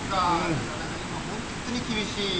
なかなか今本当に厳しいよね。